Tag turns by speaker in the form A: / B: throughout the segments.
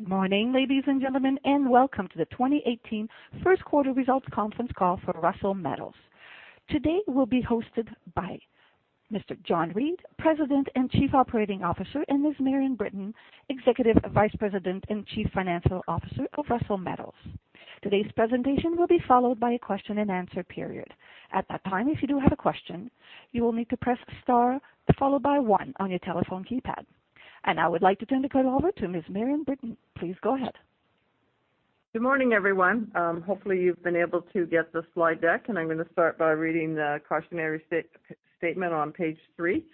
A: Good morning, ladies and gentlemen, welcome to the 2018 first quarter results conference call for Russel Metals. Today will be hosted by Mr. John Reid, President and Chief Operating Officer, and Ms. Marion Britton, Executive Vice President and Chief Financial Officer of Russel Metals. Today's presentation will be followed by a question and answer period. At that time, if you do have a question, you will need to press star followed by one on your telephone keypad. I would like to turn the call over to Ms. Marion Britton. Please go ahead.
B: Good morning, everyone. Hopefully, you've been able to get the slide deck, I'm going to start by reading the cautionary statement on page three.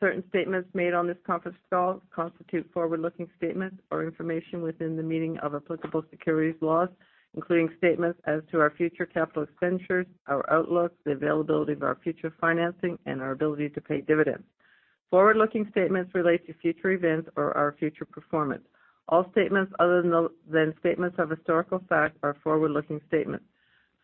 B: Certain statements made on this conference call constitute forward-looking statements or information within the meaning of applicable securities laws, including statements as to our future capital expenditures, our outlook, the availability of our future financing, and our ability to pay dividends. Forward-looking statements relate to future events or our future performance. All statements other than statements of historical fact are forward-looking statements.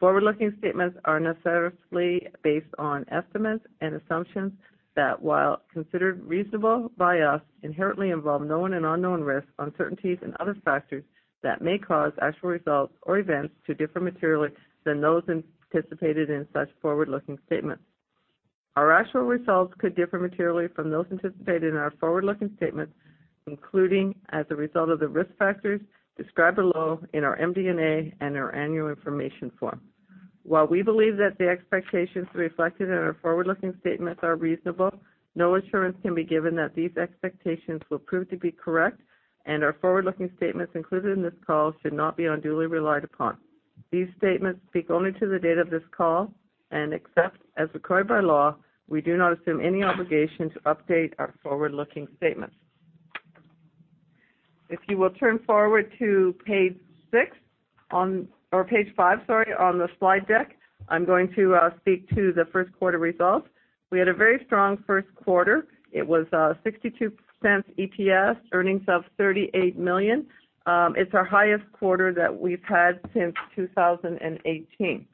B: Forward-looking statements are necessarily based on estimates and assumptions that, while considered reasonable by us, inherently involve known and unknown risks, uncertainties, and other factors that may cause actual results or events to differ materially than those anticipated in such forward-looking statements. Our actual results could differ materially from those anticipated in our forward-looking statements, including as a result of the risk factors described below in our MD&A and our annual information form. While we believe that the expectations reflected in our forward-looking statements are reasonable, no assurance can be given that these expectations will prove to be correct, our forward-looking statements included in this call should not be unduly relied upon. These statements speak only to the date of this call, except as required by law, we do not assume any obligation to update our forward-looking statements. If you will turn forward to page five on the slide deck, I'm going to speak to the first quarter results. We had a very strong first quarter. It was 0.62 EPS, earnings of 38 million. It's our highest quarter that we've had since 2018.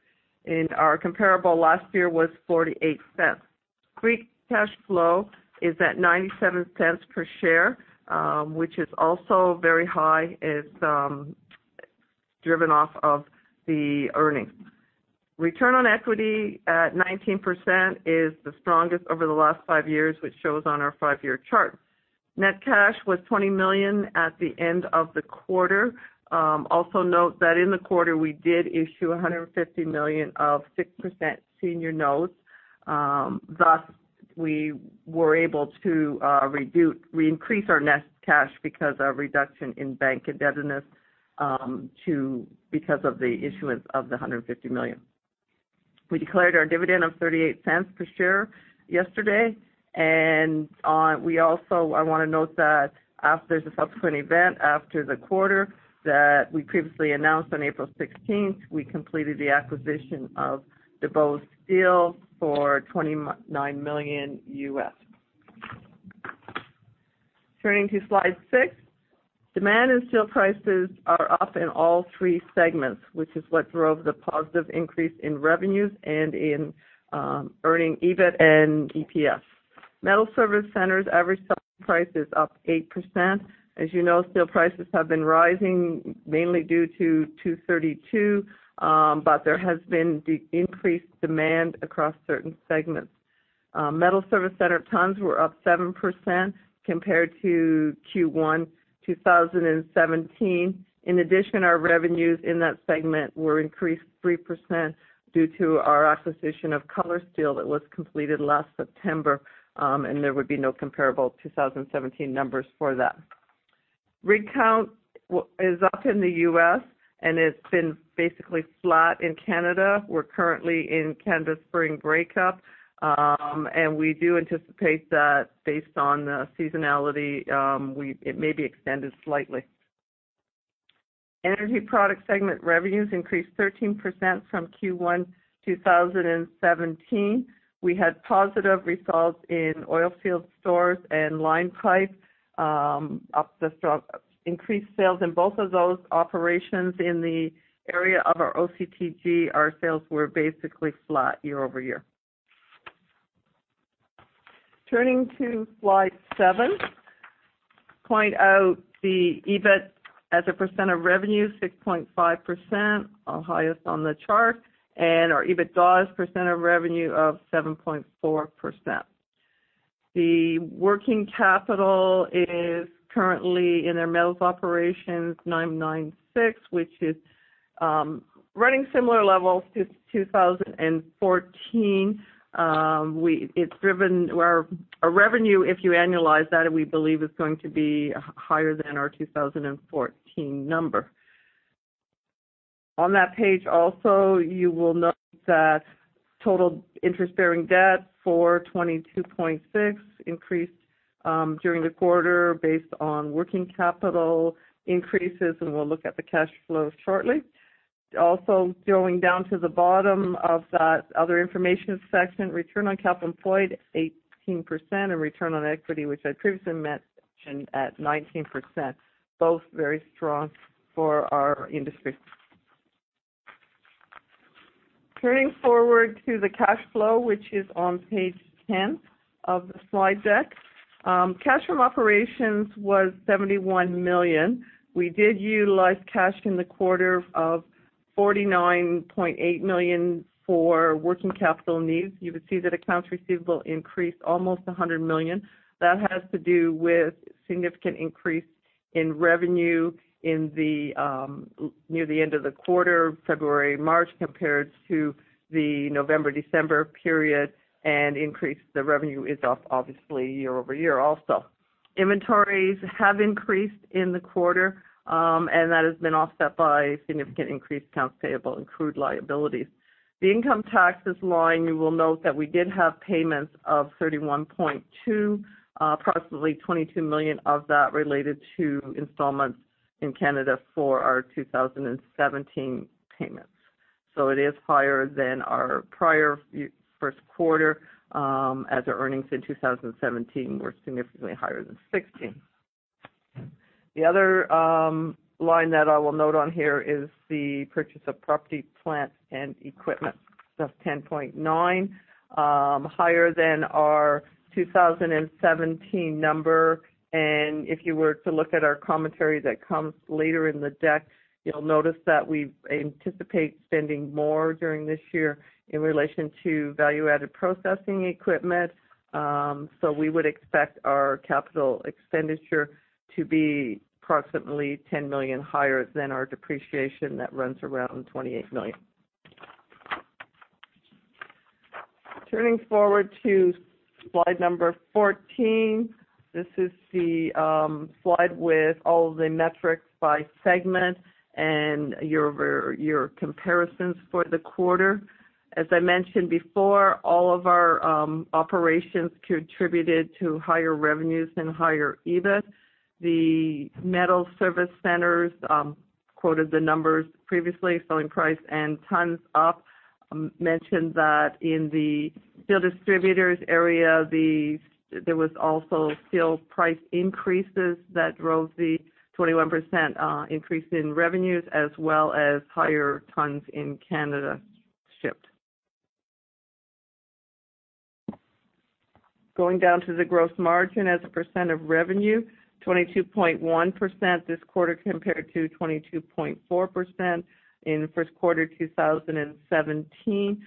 B: Our comparable last year was 0.48. Free cash flow is at 0.97 per share, which is also very high. It's driven off of the earnings. Return on equity at 19% is the strongest over the last five years, which shows on our five-year chart. Net cash was 20 million at the end of the quarter. Also note that in the quarter, we did issue 150 million of 6% senior notes. Thus, we were able to re-increase our net cash because of reduction in bank indebtedness because of the issuance of the 150 million. We declared our dividend of 0.38 per share yesterday. I want to note that there's a subsequent event after the quarter that we previously announced on April 16th, we completed the acquisition of DuBose Steel for $29 million U.S. Turning to slide six, demand and steel prices are up in all three segments, which is what drove the positive increase in revenues and in earnings, EBIT and EPS. metals service centers average selling price is up 8%. As you know, steel prices have been rising mainly due to 232, but there has been increased demand across certain segments. metals service center tons were up 7% compared to Q1 2017. In addition, our revenues in that segment were increased 3% due to our acquisition of Color Steels Inc. that was completed last September, and there would be no comparable 2017 numbers for that. Rig count is up in the U.S. and it's been basically flat in Canada. We're currently in Canada spring breakup, and we do anticipate that based on seasonality, it may be extended slightly. Energy Products segment revenues increased 13% from Q1 2017. We had positive results in energy field stores and line pipe, increased sales in both of those operations. In the area of our OCTG, our sales were basically flat year-over-year. Turning to slide seven, point out the EBIT as a percent of revenue, 6.5%, our highest on the chart, and our EBITDA as a percent of revenue of 7.4%. The working capital is currently in our metals operations, 996, which is running similar levels to 2014. Our revenue, if you annualize that, we believe is going to be higher than our 2014 number. On that page also, you will note that total interest-bearing debt for 22.6 increased during the quarter based on working capital increases, and we'll look at the cash flow shortly. Also going down to the bottom of that other information section, Return on Capital Employed 18% and return on equity, which I previously mentioned at 19%, both very strong for our industry. Turning forward to the cash flow, which is on page 10 of the slide deck. Cash from operations was 71 million. We did utilize cash in the quarter of 49.8 million for working capital needs. You would see that accounts receivable increased almost 100 million. That has to do with significant increase in revenue near the end of the quarter, February, March, compared to the November, December period, and increase the revenue is up obviously year-over-year also. Inventories have increased in the quarter, and that has been offset by significant increased accounts payable and accrued liabilities. The income taxes line, you will note that we did have payments of 31.2, approximately 22 million of that related to installments in Canada for our 2017 payments. It is higher than our prior first quarter, as our earnings in 2017 were significantly higher than 2016. The other line that I will note on here is the purchase of property, plant, and equipment, that's 10.9, higher than our 2017 number. If you were to look at our commentary that comes later in the deck, you'll notice that we anticipate spending more during this year in relation to value-added processing equipment. We would expect our capital expenditure to be approximately 10 million higher than our depreciation that runs around 28 million. Turning forward to slide number 14. This is the slide with all of the metrics by segment and your comparisons for the quarter. As I mentioned before, all of our operations contributed to higher revenues and higher EBIT. The metals service centers, quoted the numbers previously, selling price and tons up. Mentioned that in the Steel Distributors area, there was also steel price increases that drove the 21% increase in revenues, as well as higher tons in Canada shipped. Going down to the gross margin as a % of revenue, 22.1% this quarter compared to 22.4% in first quarter 2017.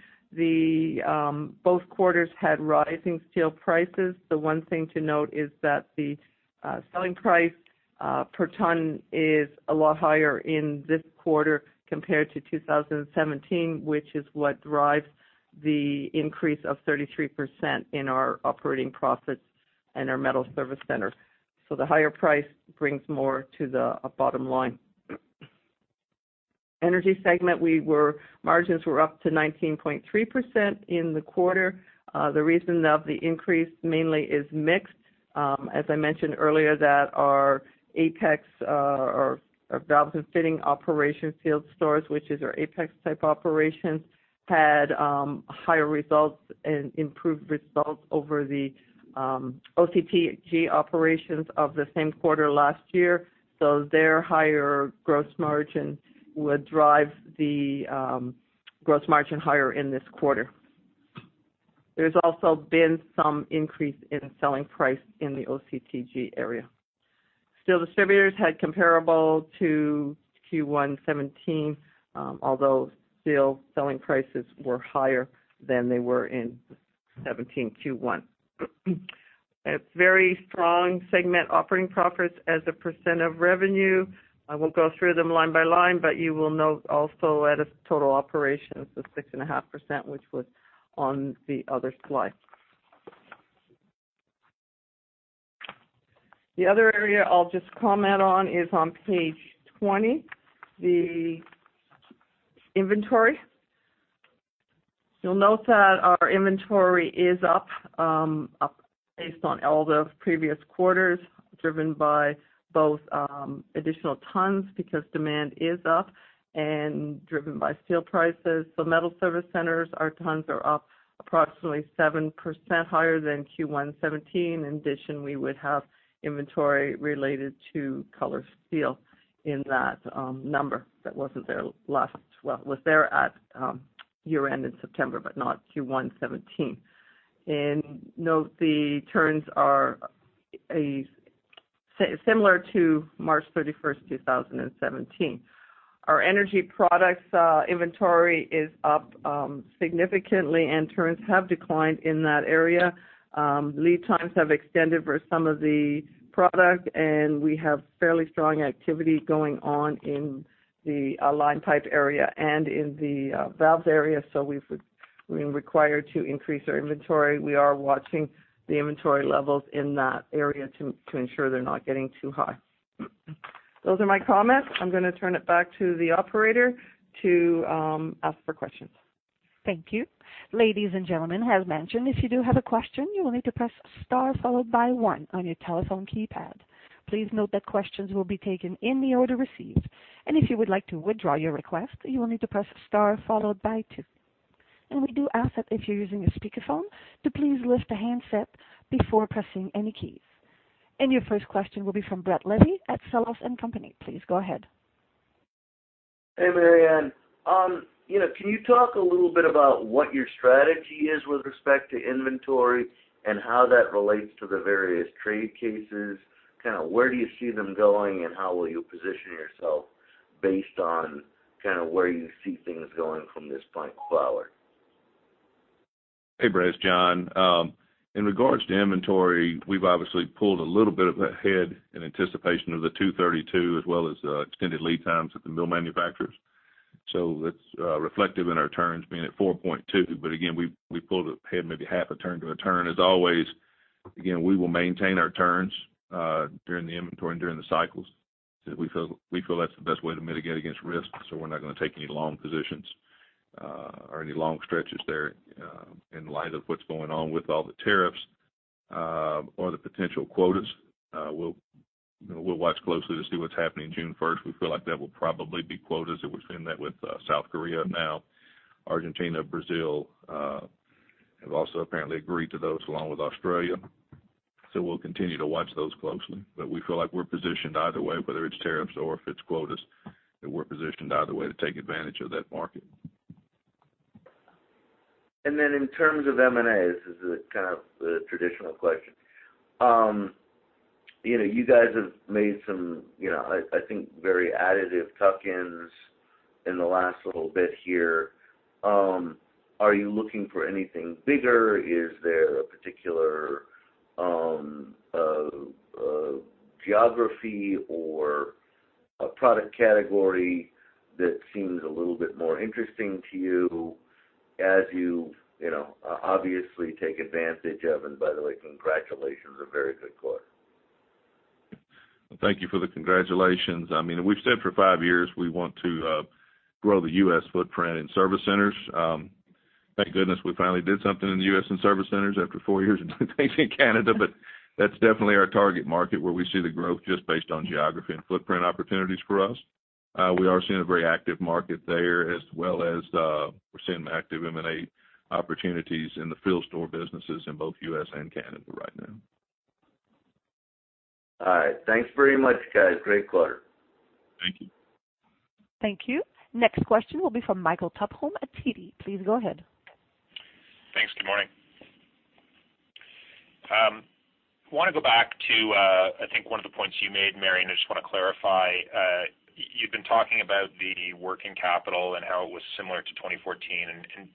B: Both quarters had rising steel prices. The one thing to note is that the selling price per ton is a lot higher in this quarter compared to 2017, which is what drives the increase of 33% in our operating profits in our metals service center. The higher price brings more to the bottom line. Energy segment, margins were up to 19.3% in the quarter. The reason of the increase mainly is mix. As I mentioned earlier that our Apex, our valves and fitting operation steel stores, which is our Apex type operations, had higher results and improved results over the OCTG operations of the same quarter last year. Their higher gross margin would drive the gross margin higher in this quarter. There's also been some increase in selling price in the OCTG area. Steel Distributors had comparable to Q1 '17, although steel selling prices were higher than they were in '17 Q1. It's very strong segment operating profits as a % of revenue. I won't go through them line by line, but you will note also at a total operations of 6.5%, which was on the other slide. The other area I'll just comment on is on page 20, the inventory. You'll note that our inventory is up based on all the previous quarters, driven by both additional tons, because demand is up, and driven by steel prices. Metals service centers, our tons are up approximately 7% higher than Q1 '17. In addition, we would have inventory related to Color Steels in that number that wasn't there, was there at year-end in September, but not Q1 '17. Note the turns are similar to March 31st 2017. Our Energy Products inventory is up significantly, and turns have declined in that area. Lead times have extended for some of the product, and we have fairly strong activity going on in the line pipe area and in the valves area, so we've been required to increase our inventory. We are watching the inventory levels in that area to ensure they're not getting too high. Those are my comments. I'm going to turn it back to the operator to ask for questions.
A: Thank you. Ladies and gentlemen, as mentioned, if you do have a question, you will need to press star followed by one on your telephone keypad. Please note that questions will be taken in the order received. If you would like to withdraw your request, you will need to press star followed by two. We do ask that if you're using a speakerphone to please lift the handset before pressing any keys. Your first question will be from Brett Levy at Sellus & Company. Please go ahead.
C: Hey, Marion. Can you talk a little bit about what your strategy is with respect to inventory and how that relates to the various trade cases? Where do you see them going, and how will you position yourself based on where you see things going from this point forward?
D: Hey, Brett. It's John. In regards to inventory, we've obviously pulled a little bit ahead in anticipation of the 232, as well as the extended lead times at the mill manufacturers. That's reflective in our turns being at 4.2. Again, we pulled ahead maybe half a turn to a turn. As always, again, we will maintain our turns during the inventory and during the cycles. We feel that's the best way to mitigate against risk. We're not going to take any long positions or any long stretches there in light of what's going on with all the tariffs or the potential quotas. We'll watch closely to see what's happening June 1st. We feel like that will probably be quotas, as we've seen that with South Korea now. Argentina, Brazil have also apparently agreed to those, along with Australia. We'll continue to watch those closely. We feel like we're positioned either way, whether it's tariffs or if it's quotas, that we're positioned either way to take advantage of that market.
C: In terms of M&A, this is the kind of the traditional question. You guys have made some, I think, very additive tuck-ins in the last little bit here. Are you looking for anything bigger? Is there a particular geography or a product category that seems a little bit more interesting to you as you obviously take advantage of? By the way, congratulations, a very good quarter.
D: Thank you for the congratulations. We've said for five years we want to grow the U.S. footprint in service centers. Thank goodness we finally did something in the U.S. in service centers after four years of doing things in Canada. That's definitely our target market where we see the growth just based on geography and footprint opportunities for us. We are seeing a very active market there, as well as we're seeing active M&A opportunities in the field store businesses in both U.S. and Canada right now.
C: All right. Thanks very much, guys. Great quarter.
D: Thank you.
A: Thank you. Next question will be from Michael Tupholme at TD. Please go ahead.
E: Thanks. Good morning. I want to go back to, I think, one of the points you made, Marion. I just want to clarify.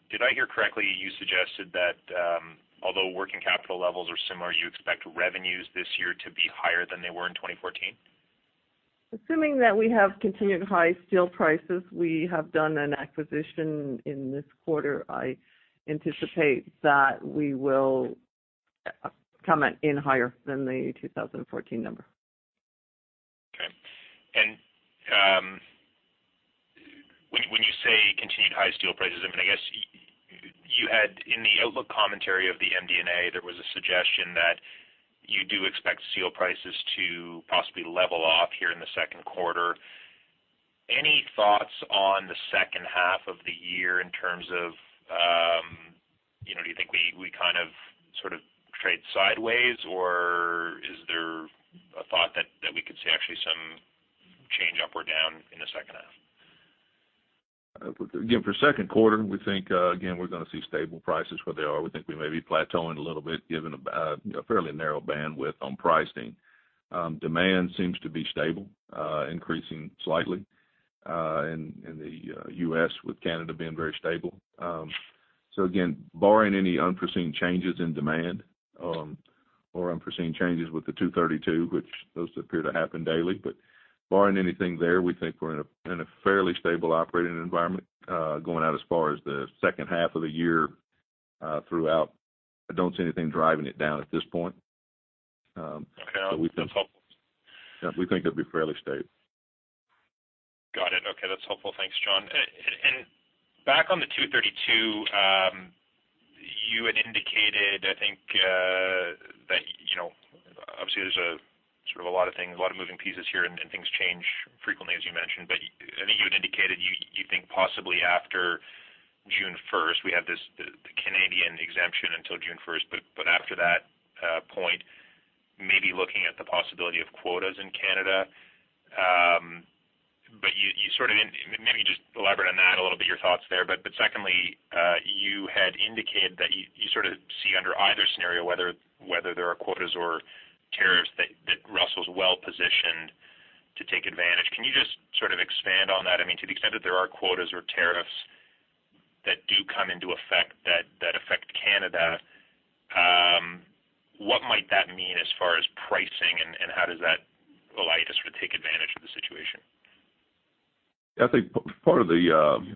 E: Did I hear correctly, you suggested that although working capital levels are similar, you expect revenues this year to be higher than they were in 2014?
B: Assuming that we have continued high steel prices, we have done an acquisition in this quarter. I anticipate that we will come in higher than the 2014 number.
E: Okay. When you say continued high steel prices, I guess you had in the outlook commentary of the MD&A, there was a suggestion that you do expect steel prices to possibly level off here in the second quarter. Any thoughts on the second half of the year in terms of, do you think we kind of sort of trade sideways, or is there a thought that we could see actually some change up or down in the second half?
D: For second quarter, we think, again, we're going to see stable prices where they are. We think we may be plateauing a little bit given a fairly narrow bandwidth on pricing. Demand seems to be stable, increasing slightly in the U.S., with Canada being very stable. Again, barring any unforeseen changes in demand or unforeseen changes with the 232, which those appear to happen daily, but barring anything there, we think we're in a fairly stable operating environment going out as far as the second half of the year throughout. I don't see anything driving it down at this point.
E: Okay. That's helpful.
D: We think it'll be fairly stable.
E: Got it. Okay. That's helpful. Thanks, John. Back on the 232, you had indicated, I think, that obviously there's a lot of things, a lot of moving pieces here, and things change frequently, as you mentioned. I think you had indicated you think possibly after June 1st, we have the Canadian exemption until June 1st. After that point, maybe looking at the possibility of quotas in Canada. Maybe just elaborate on that a little bit, your thoughts there. Secondly, you had indicated that you sort of see under either scenario, whether there are quotas or tariffs, that Russel is well-positioned to take advantage. Can you just sort of expand on that? To the extent that there are quotas or tariffs that do come into effect that affect Canada, what might that mean as far as pricing, and how does that allow you to sort of take advantage of the situation?
D: I think part of the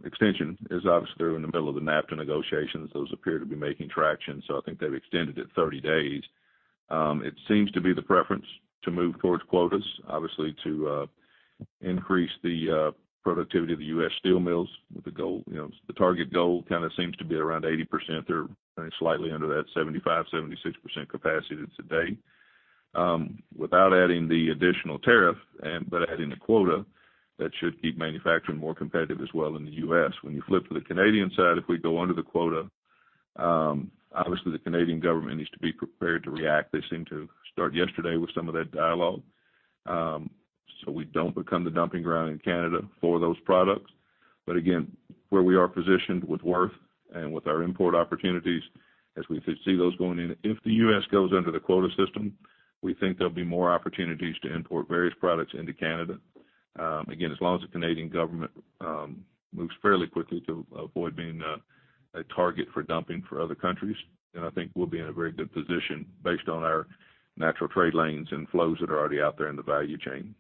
D: extension is obviously they're in the middle of the NAFTA negotiations. Those appear to be making traction, I think they've extended it 30 days. It seems to be the preference to move towards quotas, obviously to increase the productivity of the U.S. steel mills with the target goal kind of seems to be around 80%. They're slightly under that 75%-76% capacity today. Without adding the additional tariff but adding a quota, that should keep manufacturing more competitive as well in the U.S. When you flip to the Canadian side, if we go under the quota, the Canadian government needs to be prepared to react. They seemed to start yesterday with some of that dialogue, we don't become the dumping ground in Canada for those products. Again, where we are positioned with Wirth and with our import opportunities as we see those going in. If the U.S. goes under the quota system, we think there'll be more opportunities to import various products into Canada. Again, as long as the Canadian government moves fairly quickly to avoid being a target for dumping for other countries, I think we'll be in a very good position based on our natural trade lanes and flows that are already out there in the value chain.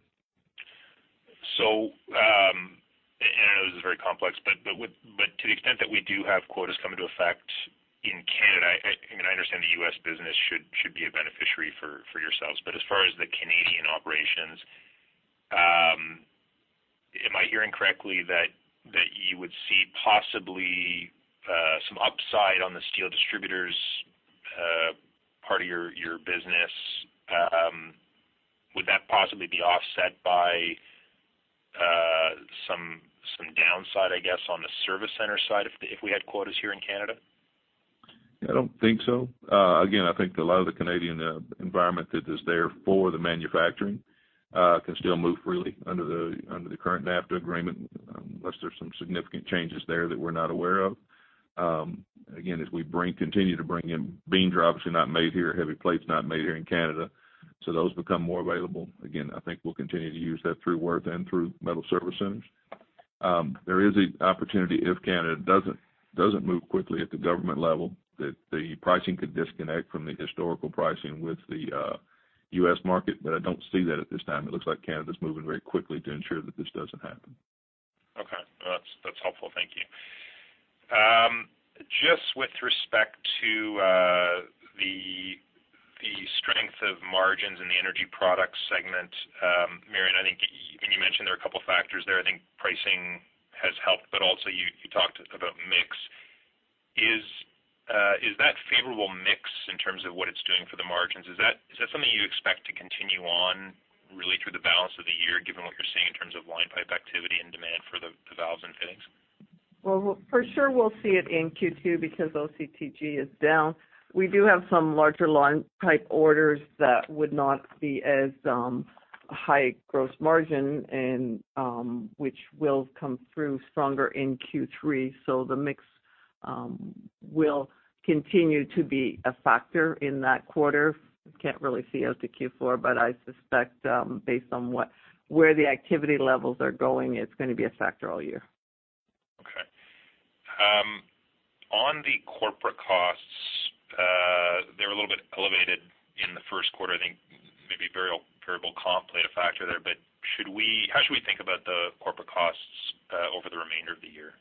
E: I know this is very complex, to the extent that we do have quotas come into effect in Canada, I understand the U.S. business should be a beneficiary for yourselves. As far as the Canadian operations, am I hearing correctly that you would see possibly some upside on the Steel Distributors' part of your business? Would that possibly be offset by some downside, I guess, on the service center side if we had quotas here in Canada?
D: I don't think so. I think that a lot of the Canadian environment that is there for the manufacturing can still move freely under the current NAFTA agreement, unless there's some significant changes there that we're not aware of. As we continue to bring in beams are not made here, heavy plates not made here in Canada. Those become more available. I think we'll continue to use that through Wirth and through metals service centers. There is an opportunity if Canada doesn't move quickly at the government level, that the pricing could disconnect from the historical pricing with the U.S. market. I don't see that at this time. It looks like Canada's moving very quickly to ensure that this doesn't happen.
E: Okay. That's helpful. Thank you. Just with respect to the strength of margins in the Energy Products segment, Marion, I think, you mentioned there are a couple of factors there. I think pricing has helped, also you talked about mix. Is that favorable mix in terms of what it's doing for the margins? Is that something you expect to continue on really through the balance of the year, given what you're seeing in terms of line pipe activity and demand for the valves and fittings?
B: Well, for sure we'll see it in Q2 because OCTG is down. We do have some larger line pipe orders that would not be as high gross margin, which will come through stronger in Q3. The mix will continue to be a factor in that quarter. Can't really see out to Q4, I suspect, based on where the activity levels are going, it's going to be a factor all year.
E: Okay. On the corporate costs, they were a little bit elevated in the first quarter. I think maybe variable comp played a factor there, how should we think about the corporate costs over the remainder of the year?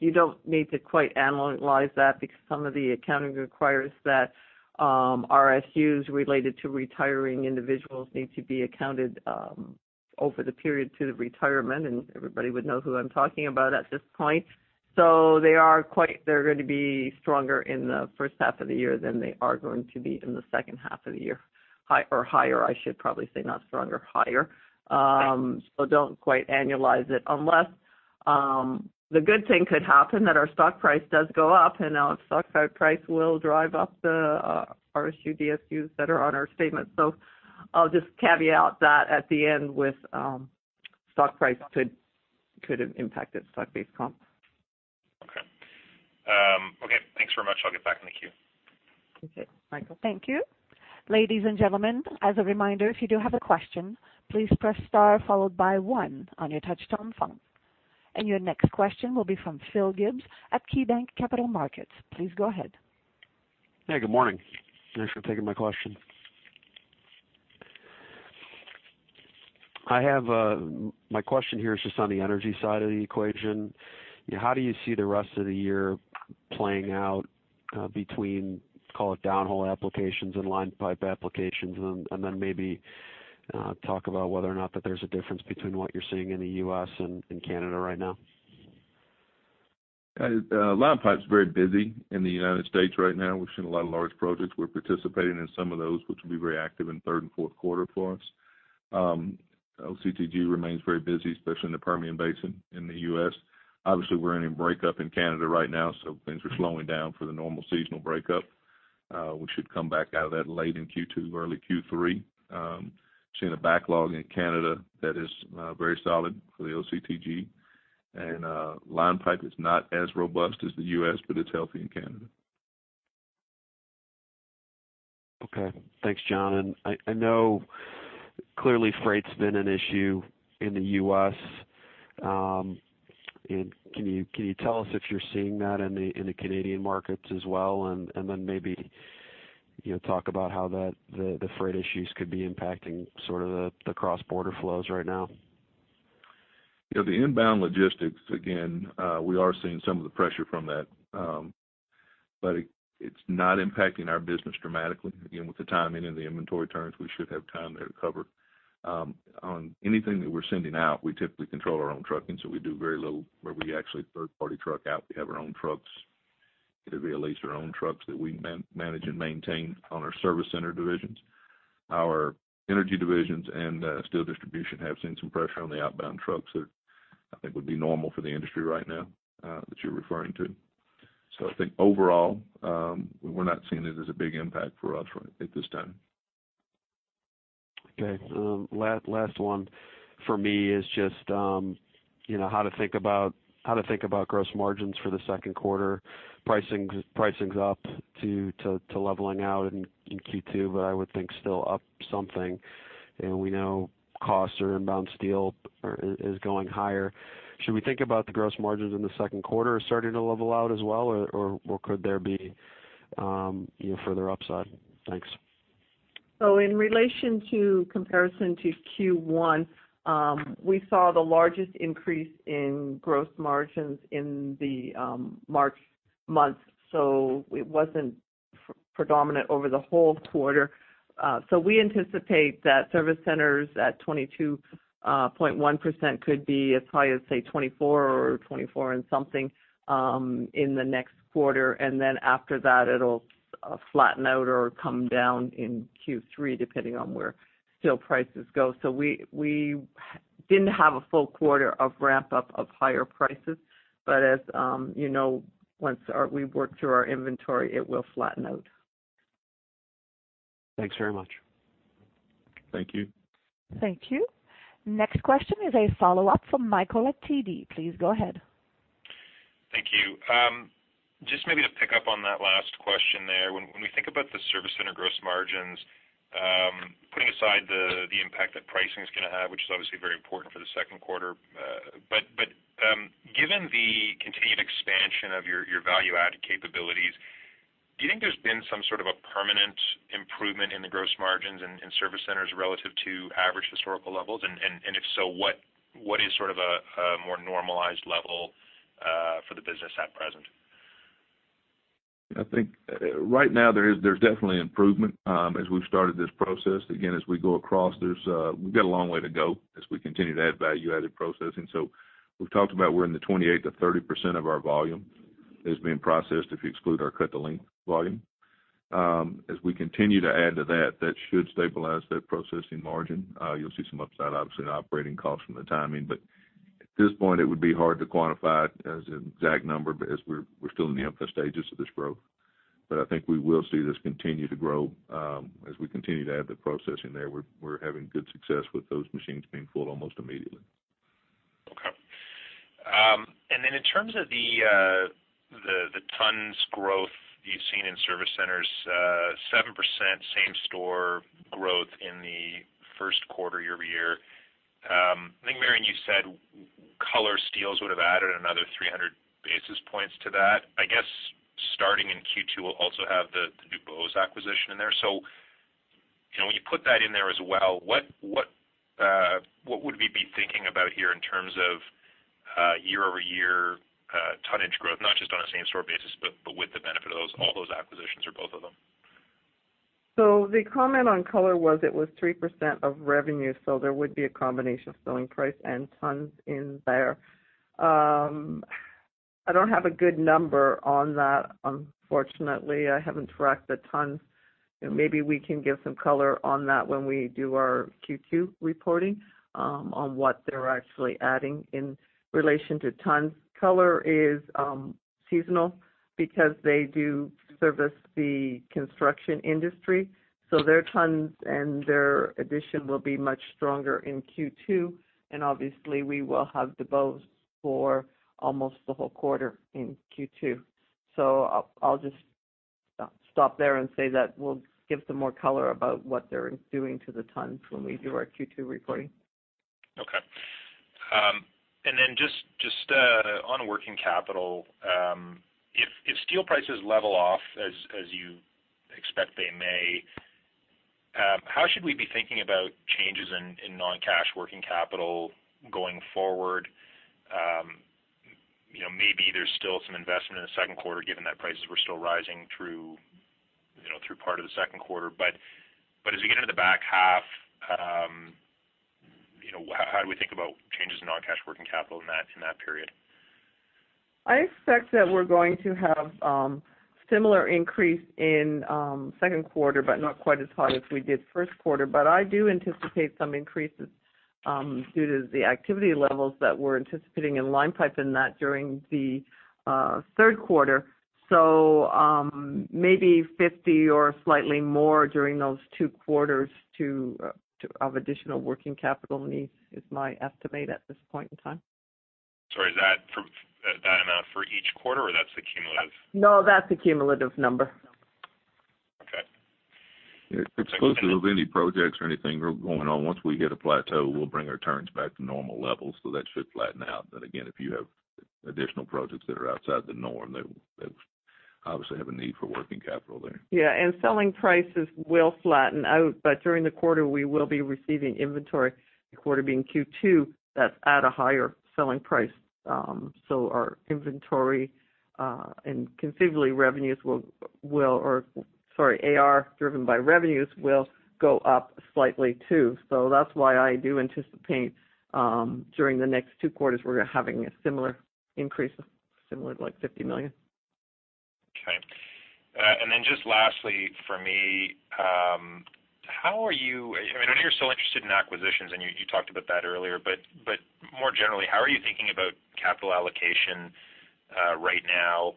B: You don't need to quite annualize that because some of the accounting requires that RSUs related to retiring individuals need to be accounted over the period to the retirement, and everybody would know who I'm talking about at this point. They're going to be stronger in the first half of the year than they are going to be in the second half of the year. Or higher, I should probably say, not stronger, higher.
E: Okay.
B: Don't quite annualize it. Unless, the good thing could happen that our stock price does go up, and our stock price will drive up the RSU DSUs that are on our statement. I'll just caveat that at the end with stock price could impact its stock-based comp.
E: Okay. Thanks very much. I'll get back in the queue.
B: Okay, Michael.
A: Thank you. Ladies and gentlemen, as a reminder, if you do have a question, please press star followed by one on your touchtone phone. Your next question will be from Philip Gibbs at KeyBank Capital Markets. Please go ahead.
F: Hey, good morning. Thanks for taking my question. My question here is just on the energy side of the equation. How do you see the rest of the year playing out between, call it downhole applications and line pipe applications? Then maybe talk about whether or not that there's a difference between what you're seeing in the U.S. and Canada right now.
D: Line pipe's very busy in the United States right now. We're seeing a lot of large projects. We're participating in some of those, which will be very active in third and fourth quarter for us. OCTG remains very busy, especially in the Permian Basin in the U.S. Obviously, we're in a breakup in Canada right now, so things are slowing down for the normal seasonal breakup. We should come back out of that late in Q2, early Q3. Seeing a backlog in Canada that is very solid for the OCTG. Line pipe is not as robust as the U.S., but it's healthy in Canada.
F: Okay. Thanks, John. I know, clearly freight's been an issue in the U.S. Can you tell us if you're seeing that in the Canadian markets as well? Then maybe talk about how the freight issues could be impacting the cross-border flows right now?
D: The inbound logistics, again, we are seeing some of the pressure from that. It's not impacting our business dramatically. Again, with the timing and the inventory turns, we should have time there to cover. On anything that we're sending out, we typically control our own trucking, so we do very little where we actually third-party truck out. We have our own trucks. It will be at least our own trucks that we manage and maintain on our service center divisions. Our energy divisions and steel distribution have seen some pressure on the outbound trucks that I think would be normal for the industry right now that you're referring to. I think overall, we're not seeing it as a big impact for us at this time.
F: Okay. Last one for me is just how to think about gross margins for the second quarter. Pricing's up to leveling out in Q2, but I would think still up something. We know costs or inbound steel is going higher. Should we think about the gross margins in the second quarter as starting to level out as well? Could there be further upside? Thanks.
B: In relation to comparison to Q1, we saw the largest increase in gross margins in the March month, so it wasn't predominant over the whole quarter. We anticipate that service centers at 22.1% could be as high as, say, 24% or 24-and-something in the next quarter. Then after that, it will flatten out or come down in Q3, depending on where steel prices go. We didn't have a full quarter of ramp-up of higher prices, but as you know, once we work through our inventory, it will flatten out.
F: Thanks very much.
D: Thank you.
A: Thank you. Next question is a follow-up from Michael at TD. Please go ahead.
E: Thank you. Just maybe to pick up on that last question there. When we think about the service center gross margins, putting aside the impact that pricing is going to have, which is obviously very important for the second quarter. Given the continued expansion of your value-added capabilities, do you think there's been some sort of a permanent improvement in the gross margins in service centers relative to average historical levels? If so, what is sort of a more normalized level for the business at present?
D: I think right now there's definitely improvement as we've started this process. Again, as we go across, we've got a long way to go as we continue to add value-added processing. We've talked about we're in the 28%-30% of our volume is being processed, if you exclude our cut-to-length volume. As we continue to add to that should stabilize that processing margin. You'll see some upside, obviously, in operating costs from the timing. At this point, it would be hard to quantify as an exact number as we're still in the infant stages of this growth. I think we will see this continue to grow as we continue to add the processing there. We're having good success with those machines being pulled almost immediately.
E: Okay. In terms of the tons growth you've seen in service centers, 7% same-store growth in the first quarter year-over-year. I think, Marion, you said Color Steels would have added another 300 basis points to that. Starting in Q2, we'll also have the new Desbois acquisition in there. When you put that in there as well, what would we be thinking about here in terms of year-over-year tonnage growth, not just on a same-store basis, but with the benefit of all those acquisitions or both of them?
B: The comment on Color Steels was it was 3% of revenue, there would be a combination of selling price and tons in there. I don't have a good number on that, unfortunately. I haven't tracked the tons. Maybe we can give some color on that when we do our Q2 reporting on what they're actually adding in relation to tons. Color Steels is seasonal because they do service the construction industry, their tons and their addition will be much stronger in Q2, and obviously, we will have the Desbois for almost the whole quarter in Q2. I'll just stop there and say that we'll give some more color about what they're doing to the tons when we do our Q2 reporting.
E: Okay. Just on working capital. If steel prices level off as you expect they may, how should we be thinking about changes in non-cash working capital going forward? Maybe there's still some investment in the second quarter, given that prices were still rising through part of the second quarter. As we get into the back half, how do we think about changes in non-cash working capital in that period?
B: I expect that we're going to have similar increase in second quarter, not quite as high as we did first quarter. I do anticipate some increases due to the activity levels that we're anticipating in line pipe and that during the third quarter. Maybe 50 or slightly more during those two quarters of additional working capital needs is my estimate at this point in time.
E: Sorry, is that amount for each quarter or that's the cumulative?
B: No, that's the cumulative number.
E: Okay.
D: It's exclusive of any projects or anything going on. Once we hit a plateau, we'll bring our turns back to normal levels, that should flatten out. Again, if you have additional projects that are outside the norm, they obviously have a need for working capital there.
B: Yeah, selling prices will flatten out. During the quarter, we will be receiving inventory, the quarter being Q2, that's at a higher selling price. Our inventory and conceivably revenues will sorry, AR driven by revenues will go up slightly, too. That's why I do anticipate during the next two quarters, we're having a similar increase of similar to like 50 million.
E: Okay. Just lastly for me, I know you're still interested in acquisitions, and you talked about that earlier, but more generally, how are you thinking about capital allocation right now?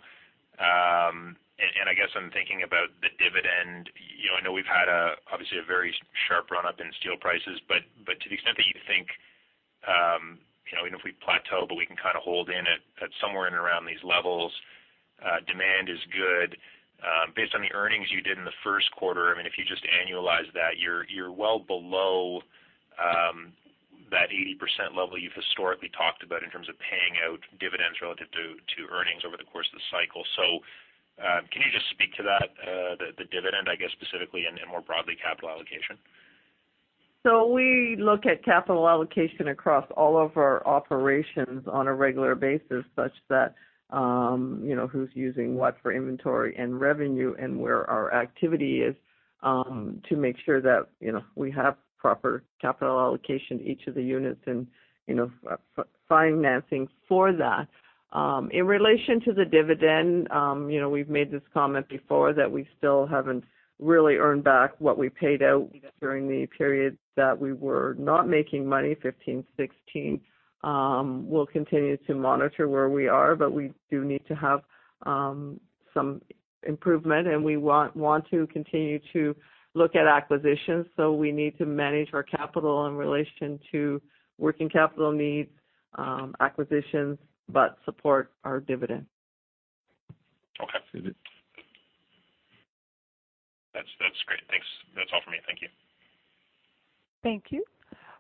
E: I guess I'm thinking about the dividend. I know we've had obviously a very sharp run-up in steel prices, but to the extent that you think, even if we plateau, but we can kind of hold in at somewhere in around these levels, demand is good. Based on the earnings you did in the first quarter, if you just annualize that, you're well below that 80% level you've historically talked about in terms of paying out dividends relative to earnings over the course of the cycle. Can you just speak to that, the dividend, I guess specifically, and more broadly, capital allocation?
B: We look at capital allocation across all of our operations on a regular basis, such that who's using what for inventory and revenue and where our activity is, to make sure that we have proper capital allocation, each of the units and financing for that. In relation to the dividend, we've made this comment before that we still haven't really earned back what we paid out during the period that we were not making money, 2015, 2016. We'll continue to monitor where we are, but we do need to have some improvement, and we want to continue to look at acquisitions. We need to manage our capital in relation to working capital needs, acquisitions, but support our dividend.
E: Okay. That's great. Thanks. That's all for me. Thank you.
A: Thank you.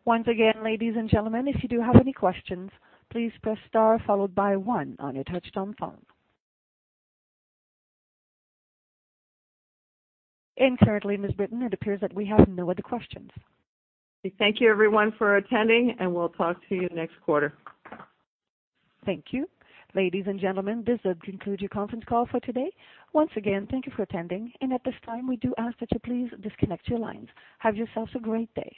A: Once again, ladies and gentlemen, if you do have any questions, please press star followed by one on your touch-tone phone. Currently, Ms. Britton, it appears that we have no other questions.
B: Thank you everyone for attending, and we'll talk to you next quarter.
A: Thank you. Ladies and gentlemen, this does conclude your conference call for today. Once again, thank you for attending, and at this time, we do ask that you please disconnect your lines. Have yourselves a great day.